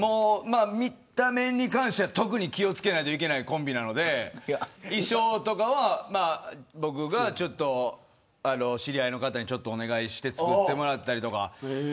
見た目に関しては特に気を付けないといけないコンビなので衣装とかは僕が知り合いの方にお願いして作ってもらったりとか。